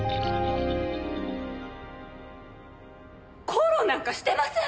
口論なんかしてません！